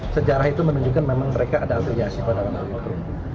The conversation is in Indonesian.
sejarah itu menunjukkan memang mereka ada afiliasi pada orang itu